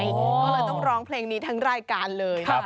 ก็เลยต้องร้องเพลงนี้ทั้งรายการเลย